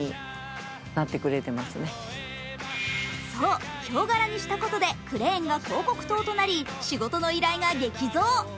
そう、ヒョウ柄にしたことでクレーンが広告塔となり、仕事の依頼が激増。